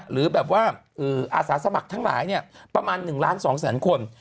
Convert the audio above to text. หรือแบบว่าอาสาสมัครทั้งหลายประมาณ๑ล้าน๒แสนคน